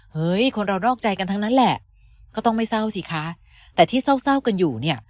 คนเรานอกใจกันทั้งนั้นแหละก็ต้องไม่เศร้าสิคะแต่ที่เศร้าเศร้ากันอยู่เนี่ย